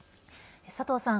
佐藤さん